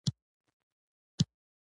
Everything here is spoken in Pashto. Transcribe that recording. پلار يې په ملا نېغ شو.